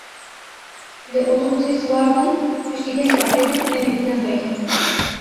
Li otobusê siwar bûm, pişti deh deqe din em ê bidin rê.